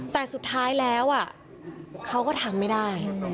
แต่สุดท้ายแล้วเขาก็ทำไม่ได้